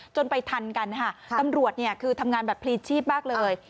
จนไปทันกันตำรวจทำงานแบบพลีชีพมากเลย